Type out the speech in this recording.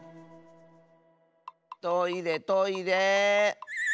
トイレトイレ。